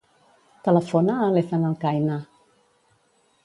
Telefona a l'Ethan Alcaina.